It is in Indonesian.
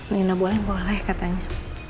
nina boleh boleh katanya